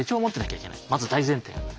まず大前提が。